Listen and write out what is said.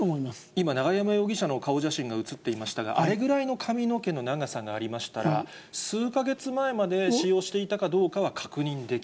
今、永山容疑者の顔写真が映っていましたが、あれぐらいの髪の毛の長さがありましたら、数か月前まで使用していたかどうかは確認できる？